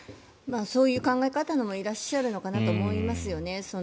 そういう考え方の方もいらっしゃるのかと思いますよね。